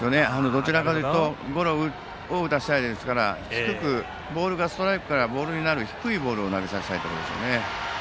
どちらかというとゴロを打たせたいですからストライクからボールになる低いボールを投げたいですよね。